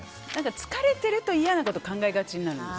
疲れていると嫌なこと考えがちになるんです。